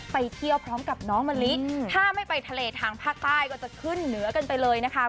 ไปเที่ยวพร้อมกับน้องมะลิถ้าไม่ไปทะเลทางภาคใต้ก็จะขึ้นเหนือกันไปเลยนะคะ